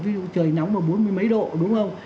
ví dụ trời nóng mà bốn mươi mấy độ đúng không